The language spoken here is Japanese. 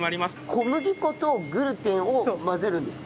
小麦粉とグルテンを混ぜるんですか？